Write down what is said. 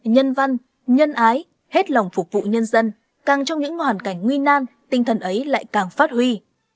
nhân văn nhân ái hết lòng phục vụ nhân dân càng trong những hoàn cảnh nguy nan tinh thần ấy lại càng phát huy